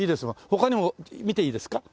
他にも見ていいですか？